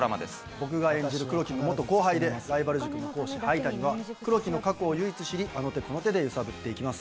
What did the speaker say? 僕が演じる黒木の後輩でライバル塾の講師灰谷は黒木の過去を唯一知りあの手この手で揺さぶっていきます。